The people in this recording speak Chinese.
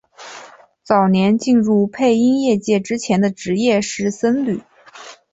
早年进入配音业界之前的职业是僧侣。